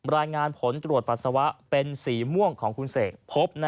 รายงานผลตรวจปัสสาวะเป็นสีม่วงของคุณเสกพบ